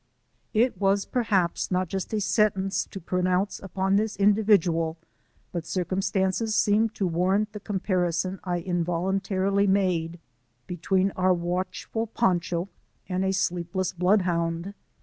It was perhaps not a just sentence to pronounce upon this indivi dual, but circumstances seemed to warrant the comparison I involun tarily made between our watchful Pancho and a sleepless bloodhound.